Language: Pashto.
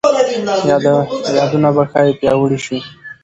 یادونه به ښايي پیاوړي شي.